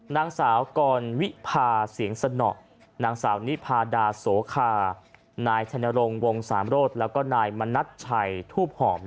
นางสาวกรวิพาเสียงสนอนางสาวนิพาดาโสคานายชนรงค์วงสามโรธแล้วก็นายมณัชชัยทูบหอม